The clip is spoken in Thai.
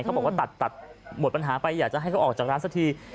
เขาบอกว่าตัดตัดหมดปัญหาไปอยากจะให้เขาออกจากร้านสักที